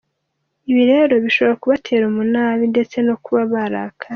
Ibi rero bishora kubatera umunabi ndetse no kuba barakara.